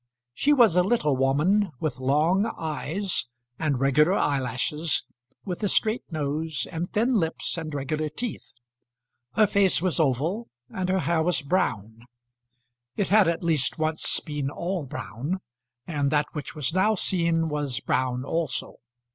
She was a little woman with long eyes, and regular eyelashes, with a straight nose, and thin lips and regular teeth. Her face was oval, and her hair was brown. It had at least once been all brown, and that which was now seen was brown also.